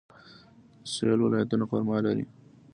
د سویل ولایتونه خرما لري.